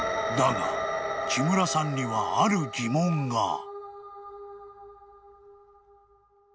［だが木村さんにはある疑問が］